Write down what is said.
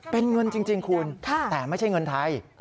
เป็นเงินจริงคุณแต่ไม่ใช่เงินไทย